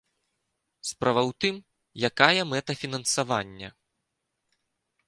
Справа ў тым, якая мэта фінансавання.